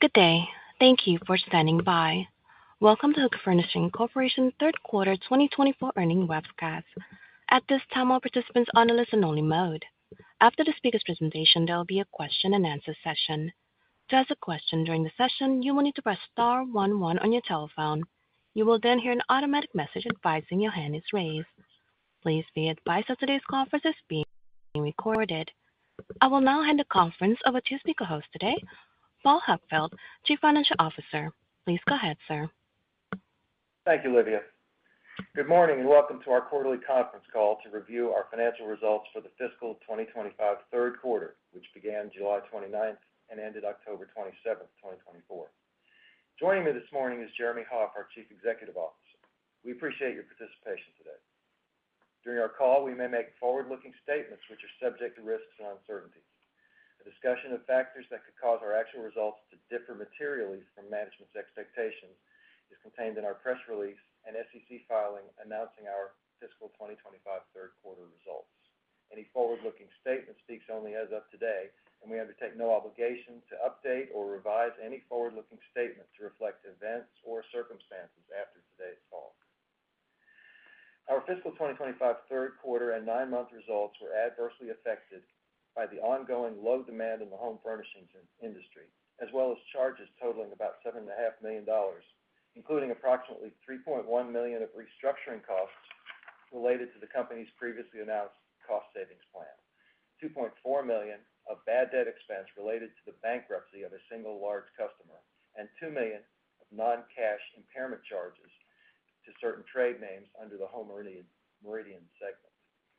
Good day. Thank you for standing by. Welcome to Hooker Furnishings Corporation's third quarter 2024 earnings webcast. At this time, all participants are on a listen-only mode. After the speaker's presentation, there will be a question-and-answer session. To ask a question during the session, you will need to press star one, one on your telephone. You will then hear an automatic message advising your hand is raised. Please be advised that today's conference is being recorded. I will now hand the conference over to speaker host today, Paul Huckfeldt, Chief Financial Officer. Please go ahead, sir. Thank you, Livia. Good morning and welcome to our quarterly conference call to review our financial results for the fiscal 2025 third quarter, which began July 29th and ended October 27th, 2024. Joining me this morning is Jeremy Hoff, our Chief Executive Officer. We appreciate your participation today. During our call, we may make forward-looking statements which are subject to risks and uncertainties. The discussion of factors that could cause our actual results to differ materially from management's expectations is contained in our press release and SEC filing announcing our fiscal 2025 third quarter results. Any forward-looking statement speaks only as of today, and we undertake no obligation to update or revise any forward-looking statement to reflect events or circumstances after today's call. Our fiscal 2025 third quarter and nine-month results were adversely affected by the ongoing low demand in the Home Furnishings industry, as well as charges totaling about $7.5 million, including approximately $3.1 million of restructuring costs related to the company's previously announced cost savings plan, $2.4 million of bad debt expense related to the bankruptcy of a single large customer, and $2 million of non-cash impairment charges to certain trade names under the Home Meridian segment.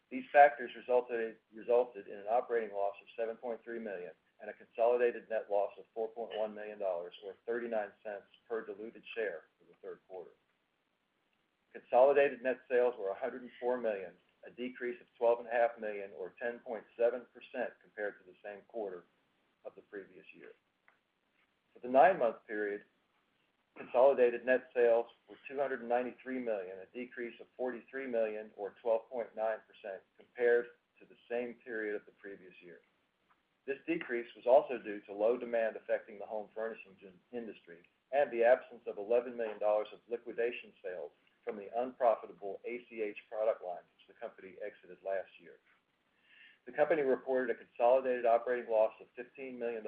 These factors resulted in an operating loss of $7.3 million and a consolidated net loss of $4.1 million, or $0.39 per diluted share for the third quarter. Consolidated net sales were $104 million, a decrease of $12.5 million, or 10.7% compared to the same quarter of the previous year. For the nine-month period, consolidated net sales were $293 million, a decrease of $43 million, or 12.9% compared to the same period of the previous year. This decrease was also due to low demand affecting the Home Furnishings industry and the absence of $11 million of liquidation sales from the unprofitable ACH product line which the company exited last year. The company reported a consolidated operating loss of $15 million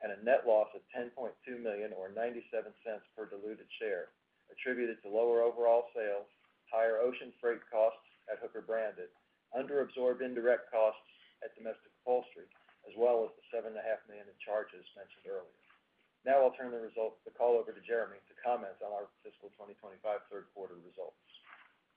and a net loss of $10.2 million, or $0.97 per diluted share, attributed to lower overall sales, higher ocean freight costs at Hooker Branded, under-absorbed indirect costs at Domestic Upholstery, as well as the $7.5 million in charges mentioned earlier. Now I'll turn the call over to Jeremy to comment on our fiscal 2025 third quarter results.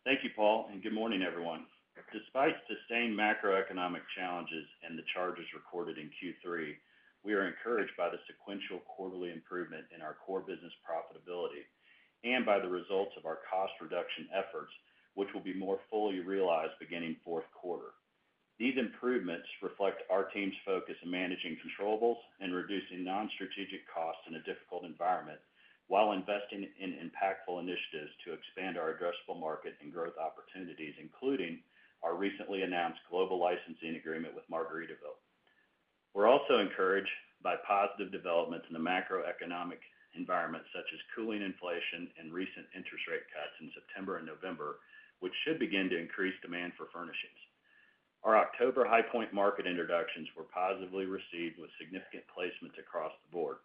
Thank you, Paul, and good morning, everyone. Despite sustained macroeconomic challenges and the charges recorded in Q3, we are encouraged by the sequential quarterly improvement in our core business profitability and by the results of our cost reduction efforts, which will be more fully realized beginning fourth quarter. These improvements reflect our team's focus in managing controllables, in reducing non-strategic costs in a difficult environment, while investing in impactful initiatives to expand our addressable market and growth opportunities, including our recently announced global licensing agreement with Margaritaville. We're also encouraged by positive developments in the macroeconomic environment, such as cooling inflation and recent interest rate cuts in September and November, which should begin to increase demand for furnishings. Our October High Point Market introductions were positively received, with significant placements across the board.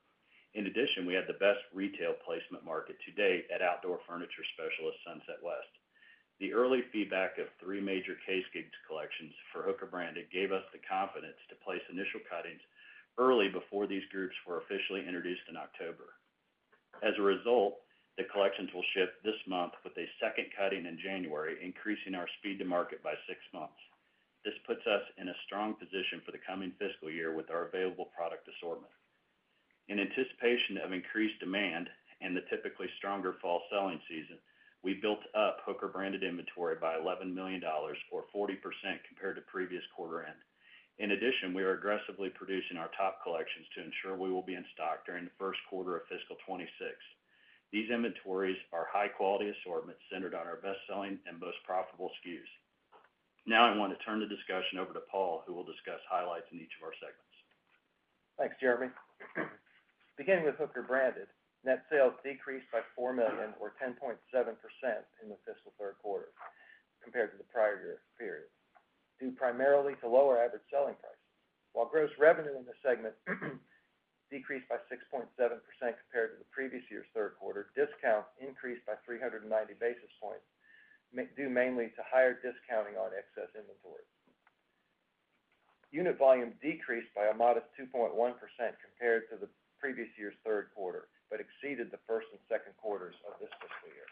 In addition, we had the best retail placement market to date at outdoor furniture specialist Sunset West. The early feedback of three major case goods collections for Hooker Branded gave us the confidence to place initial cuttings early before these groups were officially introduced in October. As a result, the collections will ship this month, with a second cutting in January, increasing our speed to market by six months. This puts us in a strong position for the coming fiscal year with our available product assortment. In anticipation of increased demand and the typically stronger fall selling season, we built up Hooker Branded inventory by $11 million, or 40% compared to previous quarter end. In addition, we are aggressively producing our top collections to ensure we will be in stock during the first quarter of fiscal 2026. These inventories are high-quality assortments centered on our best-selling and most profitable SKUs. Now I want to turn the discussion over to Paul, who will discuss highlights in each of our segments. Thanks, Jeremy. Beginning with Hooker Branded, net sales decreased by $4 million, or 10.7% in the fiscal third quarter compared to the prior year period, due primarily to lower average selling prices. While gross revenue in the segment decreased by 6.7% compared to the previous year's third quarter, discounts increased by 390 basis points due mainly to higher discounting on excess inventory. Unit volume decreased by a modest 2.1% compared to the previous year's third quarter, but exceeded the first and second quarters of this fiscal year.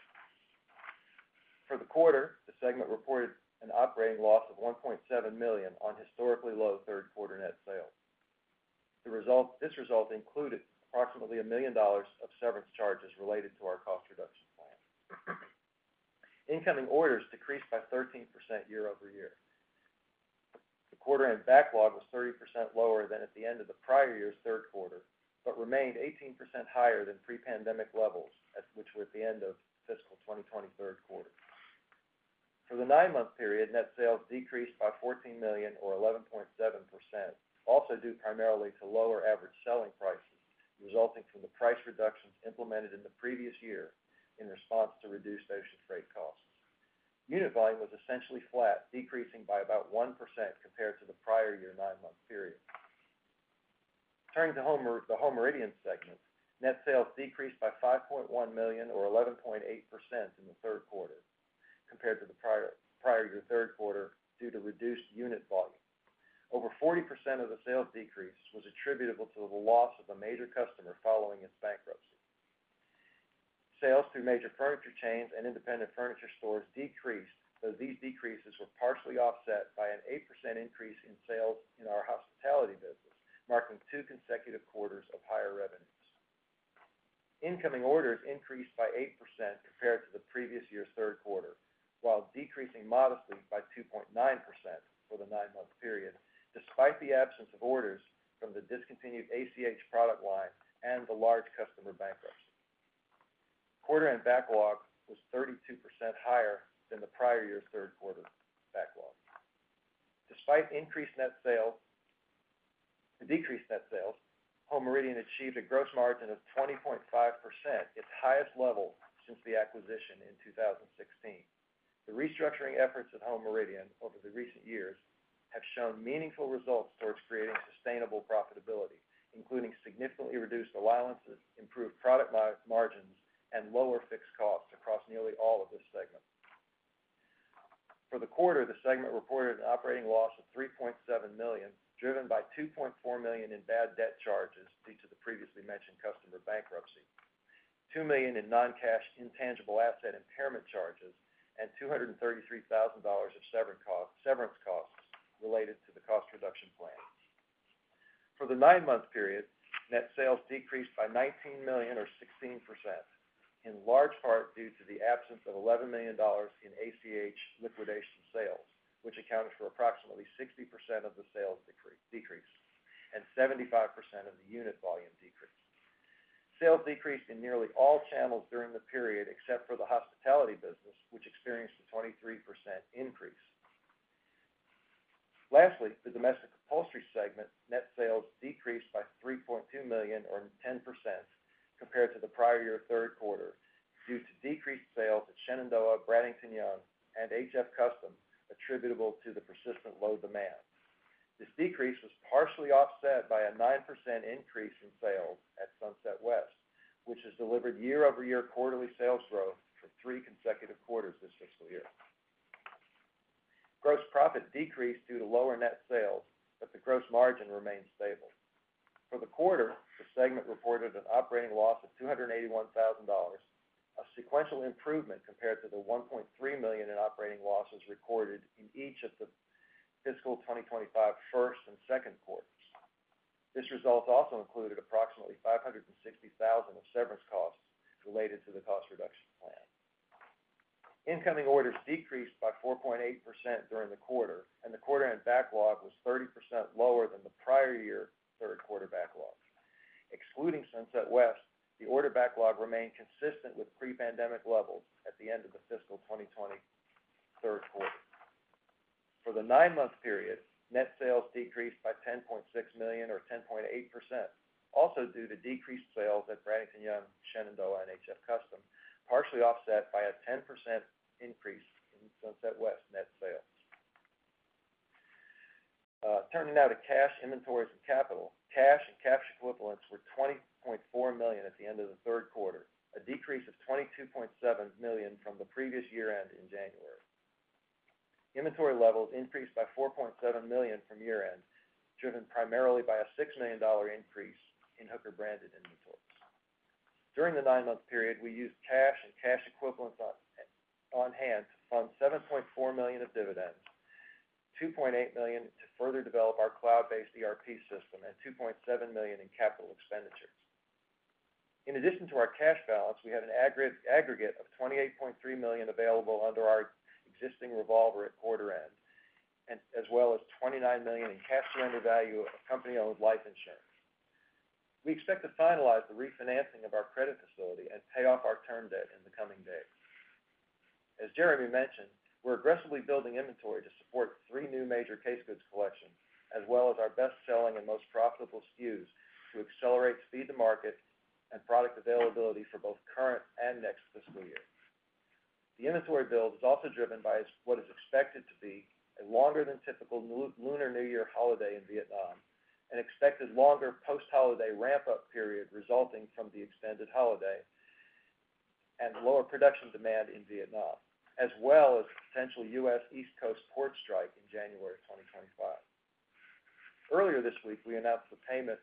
For the quarter, the segment reported an operating loss of $1.7 million on historically low third quarter net sales. This result included approximately $1 million of severance charges related to our cost reduction plan. Incoming orders decreased by 13% year-over-year. The quarter-end backlog was 30% lower than at the end of the prior year's third quarter, but remained 18% higher than pre-pandemic levels, which were at the end of fiscal 2020 third quarter. For the nine-month period, net sales decreased by $14 million, or 11.7%, also due primarily to lower average selling prices resulting from the price reductions implemented in the previous year in response to reduced ocean freight costs. Unit volume was essentially flat, decreasing by about 1% compared to the prior year nine-month period. Turning to the Home Meridian segment, net sales decreased by $5.1 million, or 11.8% in the third quarter compared to the prior year third quarter due to reduced unit volume. Over 40% of the sales decrease was attributable to the loss of a major customer following its bankruptcy. Sales through major furniture chains and independent furniture stores decreased, though these decreases were partially offset by an 8% increase in sales in our hospitality business, marking two consecutive quarters of higher revenues. Incoming orders increased by 8% compared to the previous year's third quarter, while decreasing modestly by 2.9% for the nine-month period, despite the absence of orders from the discontinued ACH product line and the large customer bankruptcy. Quarter-end backlog was 32% higher than the prior year's third quarter backlog. Despite decreased net sales, Home Meridian achieved a gross margin of 20.5%, its highest level since the acquisition in 2016. The restructuring efforts at Home Meridian over the recent years have shown meaningful results towards creating sustainable profitability, including significantly reduced allowances, improved product margins, and lower fixed costs across nearly all of this segment. For the quarter, the segment reported an operating loss of $3.7 million, driven by $2.4 million in bad debt charges due to the previously mentioned customer bankruptcy, $2 million in non-cash intangible asset impairment charges, and $233,000 of severance costs related to the cost reduction plan. For the nine-month period, net sales decreased by $19 million, or 16%, in large part due to the absence of $11 million in ACH liquidation sales, which accounted for approximately 60% of the sales decrease and 75% of the unit volume decrease. Sales decreased in nearly all channels during the period, except for the hospitality business, which experienced a 23% increase. Lastly, the Domestic Upholstery segment net sales decreased by $3.2 million, or 10%, compared to the prior year third quarter due to decreased sales at Shenandoah, Bradington-Young, and HF Custom, attributable to the persistent low demand. This decrease was partially offset by a 9% increase in sales at Sunset West, which has delivered year-over-year quarterly sales growth for three consecutive quarters this fiscal year. Gross profit decreased due to lower net sales, but the gross margin remained stable. For the quarter, the segment reported an operating loss of $281,000, a sequential improvement compared to the $1.3 million in operating losses recorded in each of the fiscal 2025 first and second quarters. This result also included approximately $560,000 of severance costs related to the cost reduction plan. Incoming orders decreased by 4.8% during the quarter, and the quarter-end backlog was 30% lower than the prior year third quarter backlog. Excluding Sunset West, the order backlog remained consistent with pre-pandemic levels at the end of the fiscal 2020 third quarter. For the nine-month period, net sales decreased by $10.6 million, or 10.8%, also due to decreased sales at Bradington-Young, Shenandoah, and HF Custom, partially offset by a 10% increase in Sunset West net sales. Turning now to cash, inventories, and capital, cash and cash equivalents were $20.4 million at the end of the third quarter, a decrease of $22.7 million from the previous year-end in January. Inventory levels increased by $4.7 million from year-end, driven primarily by a $6 million increase in Hooker Branded inventories. During the nine-month period, we used cash and cash equivalents on hand to fund $7.4 million of dividends, $2.8 million to further develop our cloud-based ERP system, and $2.7 million in capital expenditures. In addition to our cash balance, we have an aggregate of $28.3 million available under our existing revolver at quarter end, as well as $29 million in cash surrender value of company-owned life insurance. We expect to finalize the refinancing of our credit facility and pay off our term debt in the coming days. As Jeremy mentioned, we're aggressively building inventory to support three new major case goods collections, as well as our best-selling and most profitable SKUs to accelerate speed to market and product availability for both current and next fiscal year. The inventory build is also driven by what is expected to be a longer than typical Lunar New Year holiday in Vietnam, an expected longer post-holiday ramp-up period resulting from the extended holiday, and lower production demand in Vietnam, as well as potential U.S. East Coast port strike in January 2025. Earlier this week, we announced the payment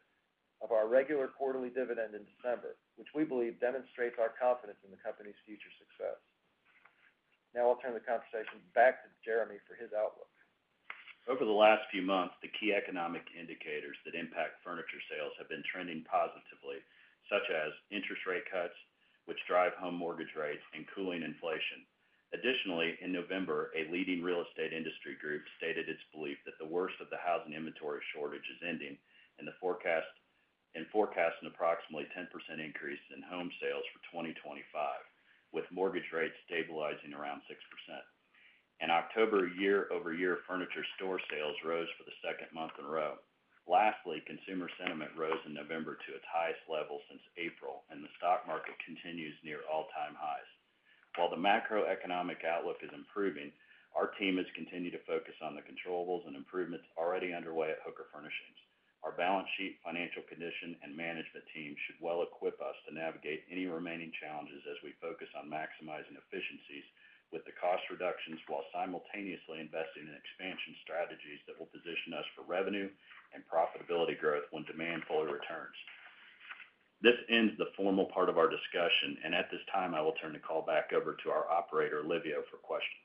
of our regular quarterly dividend in December, which we believe demonstrates our confidence in the company's future success. Now I'll turn the conversation back to Jeremy for his outlook. Over the last few months, the key economic indicators that impact furniture sales have been trending positively, such as interest rate cuts, which drive home mortgage rates, and cooling inflation. Additionally, in November, a leading real estate industry group stated its belief that the worst of the housing inventory shortage is ending and forecast an approximately 10% increase in home sales for 2025, with mortgage rates stabilizing around 6%. In October, year-over-year furniture store sales rose for the second month in a row. Lastly, consumer sentiment rose in November to its highest level since April, and the stock market continues near all-time highs. While the macroeconomic outlook is improving, our team has continued to focus on the controllable and improvements already underway at Hooker Furnishings. Our balance sheet, financial condition, and management team should well equip us to navigate any remaining challenges as we focus on maximizing efficiencies with the cost reductions while simultaneously investing in expansion strategies that will position us for revenue and profitability growth when demand fully returns. This ends the formal part of our discussion, and at this time, I will turn the call back over to our operator, Livia, for questions.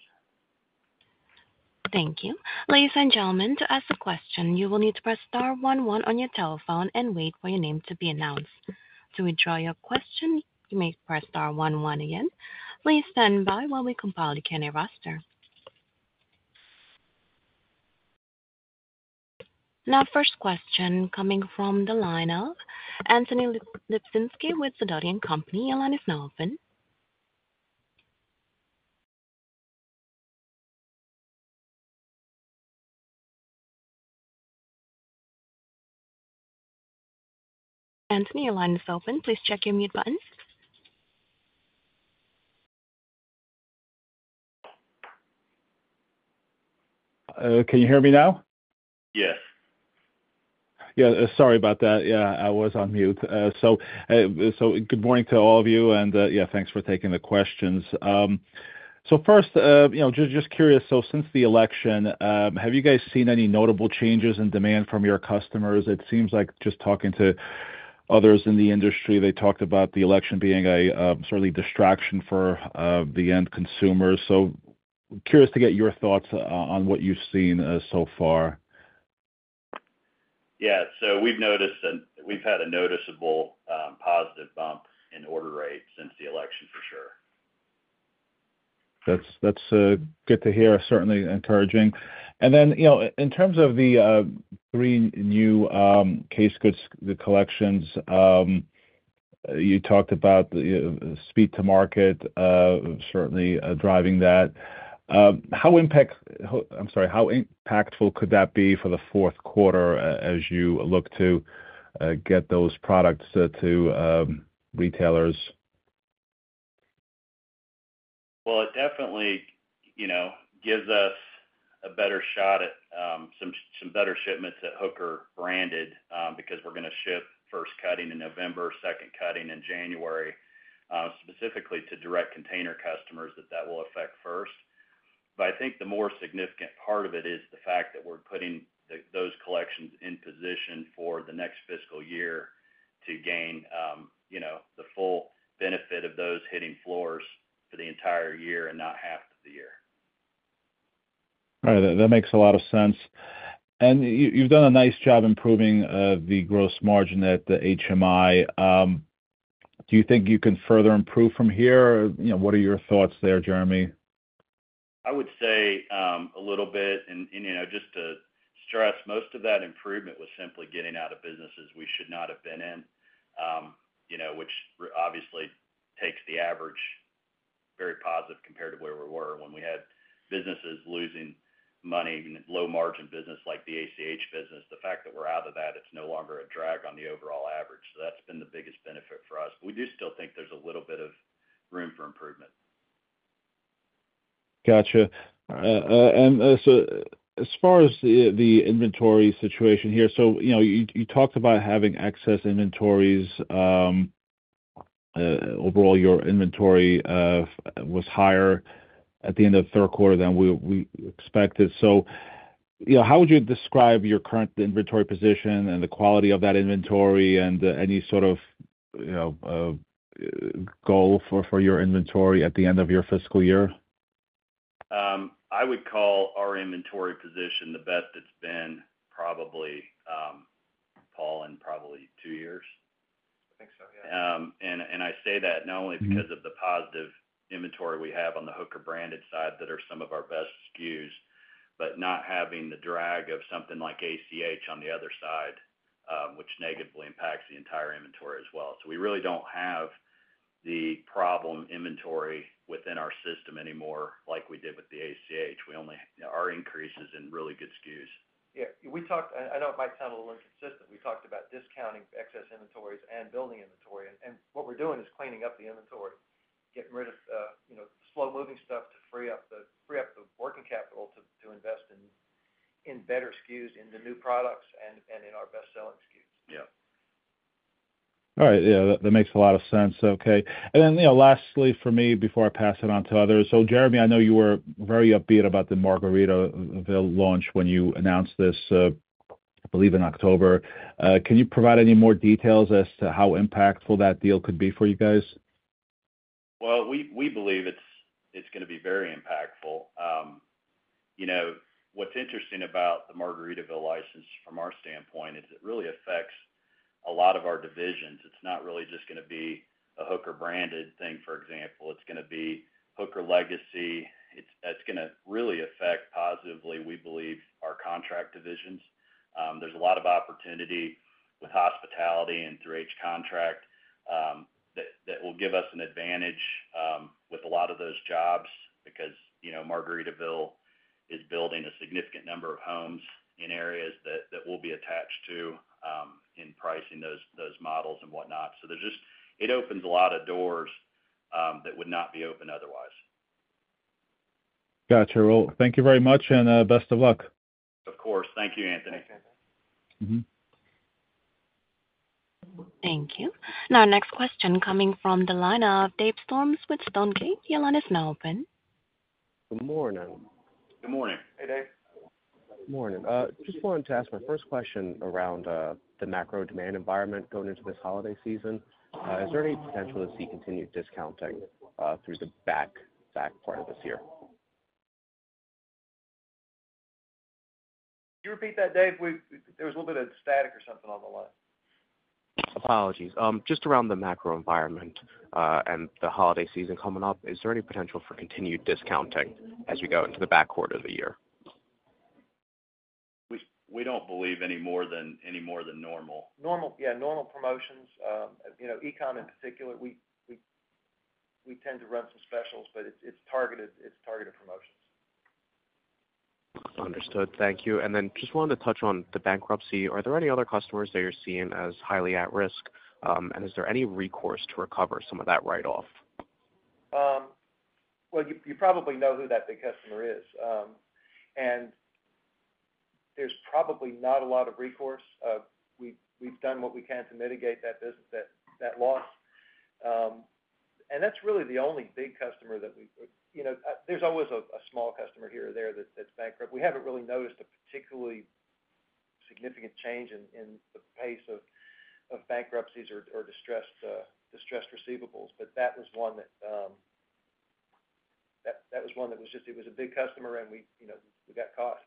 Thank you. Ladies and gentlemen, to ask a question, you will need to press star one, one on your telephone and wait for your name to be announced. To withdraw your question, you may press star one, one again. Please stand by while we compile the candidate roster. Now, first question coming from the line of Anthony Lebiedzinski with Sidoti & Company. Your line is now open. Anthony, your line is open. Please check your mute button. Can you hear me now? Yes. Yeah, sorry about that. Yeah, I was on mute. So good morning to all of you, and yeah, thanks for taking the questions. So first, just curious, so since the election, have you guys seen any notable changes in demand from your customers? It seems like just talking to others in the industry, they talked about the election being a sort of distraction for the end consumers. So curious to get your thoughts on what you've seen so far. Yeah, so we've noticed and we've had a noticeable positive bump in order rates since the election, for sure. That's good to hear. Certainly encouraging. And then in terms of the three new case goods collections, you talked about the speed to market, certainly driving that. How impact, I'm sorry, how impactful could that be for the fourth quarter as you look to get those products to retailers? It definitely gives us a better shot at some better shipments at Hooker Branded because we're going to ship first cutting in November, second cutting in January, specifically to direct container customers that will affect first. But I think the more significant part of it is the fact that we're putting those collections in position for the next fiscal year to gain the full benefit of those hitting floors for the entire year and not half of the year. All right. That makes a lot of sense. And you've done a nice job improving the gross margin at HMI. Do you think you can further improve from here? What are your thoughts there, Jeremy? I would say a little bit. And just to stress, most of that improvement was simply getting out of businesses we should not have been in, which obviously takes the average very positive compared to where we were when we had businesses losing money and low-margin business like the ACH business. The fact that we're out of that, it's no longer a drag on the overall average. So that's been the biggest benefit for us. But we do still think there's a little bit of room for improvement. Gotcha, and so as far as the inventory situation here, so you talked about having excess inventories. Overall, your inventory was higher at the end of the third quarter than we expected, so how would you describe your current inventory position and the quality of that inventory and any sort of goal for your inventory at the end of your fiscal year? I would call our inventory position the best it's been probably, Paul, in probably two years. I think so, yeah. And I say that not only because of the positive inventory we have on the Hooker Branded side that are some of our best SKUs, but not having the drag of something like ACH on the other side, which negatively impacts the entire inventory as well. So we really don't have the problem inventory within our system anymore like we did with the ACH. Our increase is in really good SKUs. Yeah. I know it might sound a little inconsistent. We talked about discounting excess inventories and building inventory. And what we're doing is cleaning up the inventory, getting rid of the slow-moving stuff to free up the working capital to invest in better SKUs, in the new products, and in our best-selling SKUs. Yeah. All right. Yeah, that makes a lot of sense. Okay. And then lastly for me, before I pass it on to others, so Jeremy, I know you were very upbeat about the Margaritaville launch when you announced this, I believe, in October. Can you provide any more details as to how impactful that deal could be for you guys? We believe it's going to be very impactful. What's interesting about the Margaritaville license from our standpoint is it really affects a lot of our divisions. It's not really just going to be a Hooker Branded thing, for example. It's going to be Hooker legacy. It's going to really affect positively, we believe, our contract divisions. There's a lot of opportunity with hospitality and through H Contract that will give us an advantage with a lot of those jobs because Margaritaville is building a significant number of homes in areas that we'll be attached to in pricing those models and whatnot. It opens a lot of doors that would not be open otherwise. Gotcha. Well, thank you very much and best of luck. Of course. Thank you, Anthony. Thanks, Anthony. Thank you. Now, next question coming from the line of Dave Storms with Stonegate. Your line is now open. Good morning. Good morning. Hey, Dave. Good morning. Just wanted to ask my first question around the macro demand environment going into this holiday season. Is there any potential to see continued discounting through the back part of this year? Can you repeat that, Dave? There was a little bit of static or something on the line. Apologies. Just around the macro environment and the holiday season coming up, is there any potential for continued discounting as we go into the back half of the year? We don't believe any more than normal. Normal, yeah, normal promotions. E-com in particular, we tend to run some specials, but it's targeted promotions. Understood. Thank you. And then just wanted to touch on the bankruptcy. Are there any other customers that you're seeing as highly at risk, and is there any recourse to recover some of that write-off? Well, you probably know who that big customer is. And there's probably not a lot of recourse. We've done what we can to mitigate that loss. And that's really the only big customer that we, there's always a small customer here or there that's bankrupt. We haven't really noticed a particularly significant change in the pace of bankruptcies or distressed receivables, but that was one that, that was one that was just, it was a big customer, and we got caught.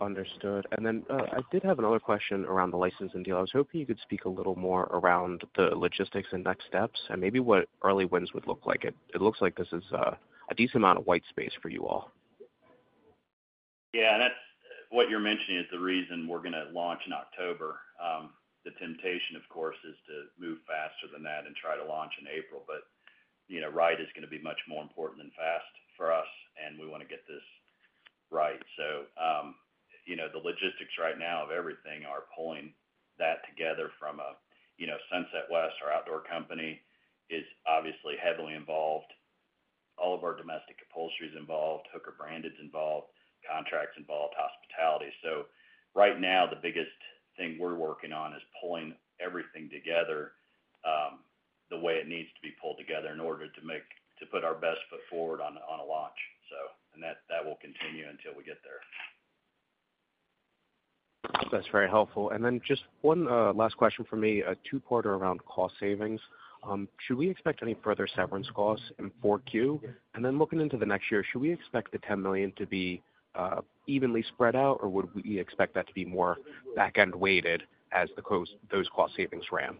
Understood. And then I did have another question around the licensing deal. I was hoping you could speak a little more around the logistics and next steps and maybe what early wins would look like. It looks like this is a decent amount of white space for you all. Yeah. And what you're mentioning is the reason we're going to launch in October. The temptation, of course, is to move faster than that and try to launch in April. But right is going to be much more important than fast for us, and we want to get this right. So the logistics right now of everything are pulling that together. Sunset West, our outdoor company, is obviously heavily involved. All of our Domestic Upholstery is involved. Hooker Branded's involved. Contract's involved. Hospitality. So right now, the biggest thing we're working on is pulling everything together the way it needs to be pulled together in order to put our best foot forward on a launch. And that will continue until we get there. That's very helpful. And then just one last question for me, a two-parter around cost savings. Should we expect any further severance costs in 4Q? And then looking into the next year, should we expect the $10 million to be evenly spread out, or would we expect that to be more back-end weighted as those cost savings ran?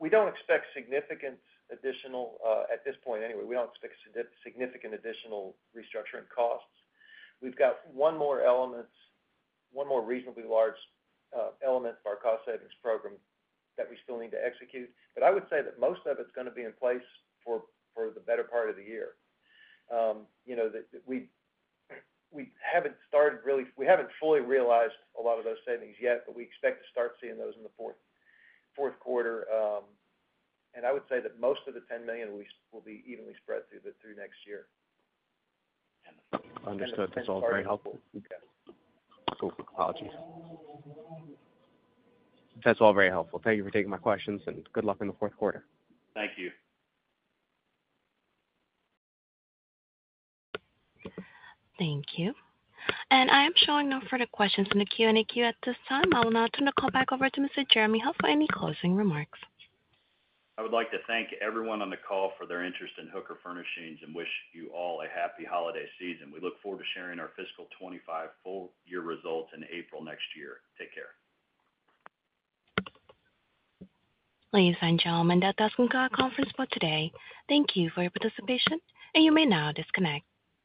We don't expect significant additional, at this point, anyway, we don't expect significant additional restructuring costs. We've got one more reasonably large element of our cost savings program that we still need to execute. But I would say that most of it's going to be in place for the better part of the year. We haven't started really, we haven't fully realized a lot of those savings yet, but we expect to start seeing those in the fourth quarter. And I would say that most of the $10 million will be evenly spread through next year. Understood. That's all very helpful. Apologies. That's all very helpful. Thank you for taking my questions, and good luck in the fourth quarter. Thank you. Thank you, and I am showing no further questions in the Q&A queue at this time. I will now turn the call back over to Mr. Jeremy Hoff for any closing remarks. I would like to thank everyone on the call for their interest in Hooker Furnishings and wish you all a happy holiday season. We look forward to sharing our fiscal '25 full-year results in April next year. Take care. Ladies and gentlemen, that does conclude our conference for today. Thank you for your participation, and you may now disconnect.